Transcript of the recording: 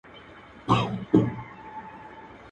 د سرتوري به کور وران وي پر اوربل به یې اور بل وي.